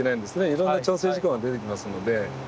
いろんな調整事項が出てきますので。